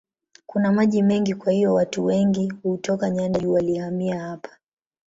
Kuna maji mengi kwa hiyo watu wengi kutoka nyanda za juu walihamia hapa.